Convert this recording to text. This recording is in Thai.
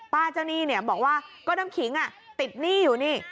เจ้าหนี้เนี่ยบอกว่าก็น้ำขิงติดหนี้อยู่นี่